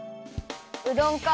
うどんかあ。